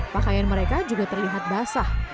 pakaian mereka juga terlihat basah